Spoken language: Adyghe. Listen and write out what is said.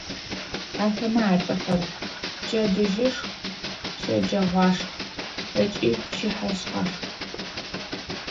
Ахэмэ ацӏэхэр: пчэдыжьышх, щэджэгъуашх ыкӏи пчыхьэшъхьашх.